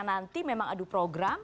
nanti memang adu program